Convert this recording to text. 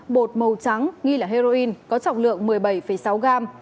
bột màu trắng nghi là heroin có trọng lượng một mươi bảy sáu gram